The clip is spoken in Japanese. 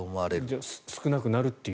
じゃあ少なくなるという。